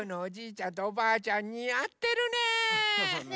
ちゃんとおばあちゃんにあってるね。